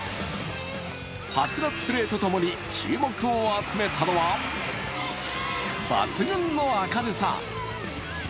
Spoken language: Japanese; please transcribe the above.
はつらつプレーとともに注目を集めたのは抜群の明るさ。